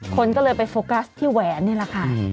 คนก็เลยไปโฟกัสที่แหวนนี่แหละค่ะ